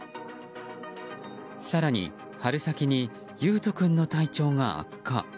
更に春先に維斗君の体調が悪化。